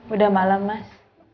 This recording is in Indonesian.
udah malam mas